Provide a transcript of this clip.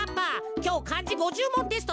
きょうかんじ５０もんテストだぞ。